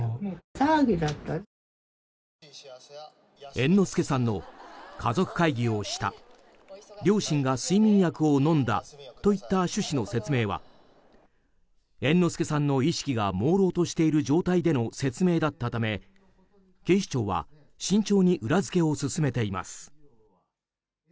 猿之助さんの、家族会議をした両親が睡眠薬を飲んだといった趣旨の説明は猿之助さんの意識がもうろうとしている状態での説明だったため警視庁は慎重に裏付けを進めています。